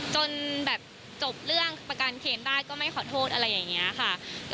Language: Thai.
จนแบบจบเรื่องประกันเคนได้ก็ไม่ขอโทษอะไรอย่างนี้ค่ะ